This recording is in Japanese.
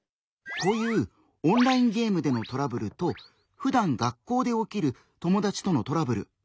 こういうオンラインゲームでのトラブルとふだん学校で起きる友達とのトラブル。